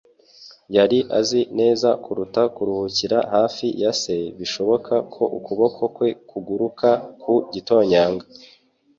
Yari azi neza kuruta kuruhukira hafi ya se, bishoboka ko ukuboko kwe kuguruka ku gitonyanga.